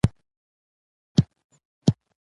زه په خپل کار ښه پوهیژم.